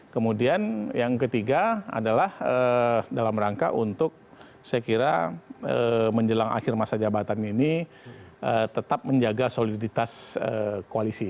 kemudian yang ketiga adalah dalam rangka untuk saya kira menjelang akhir masa jabatan ini tetap menjaga soliditas koalisi